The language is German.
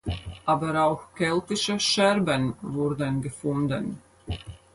Aber auch keltische Scherben wurden gefunden.